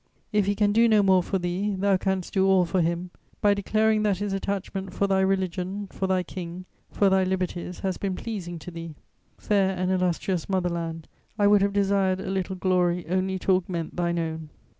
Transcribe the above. If he can do no more for thee, thou canst do all for him, by declaring that his attachment for thy religion, for thy King, for thy liberties has been pleasing to thee. Fair and illustrious mother land, I would have desired a little glory only to augment thine own."